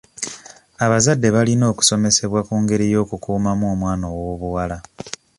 Abazadde balina okusomesebwa ku ngeri y'okukuumamu omwana ow'obuwala.